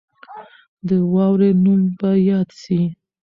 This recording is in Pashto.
د واورې نوم به یاد سي.